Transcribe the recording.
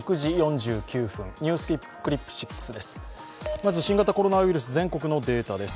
まず新型コロナウイルス、全国のデータです。